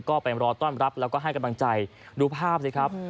ก็ไปรอต้อนรับแล้วก็ให้กำลังใจดูภาพสิครับ